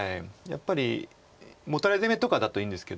やっぱりモタレ攻めとかだといいんですけど。